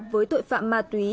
với tội phạm ma túy